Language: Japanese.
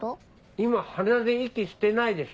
今鼻で息してないでしょ。